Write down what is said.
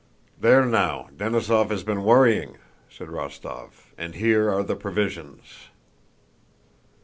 "There now, Denísov has been worrying," said Rostóv, "and here are the provisions."